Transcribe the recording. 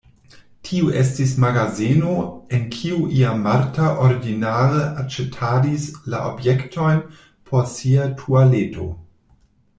Tio estis magazeno, en kiu iam Marta ordinare aĉetadis la objektojn por sia tualeto.